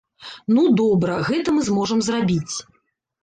Ну, добра, гэта мы зможам зрабіць.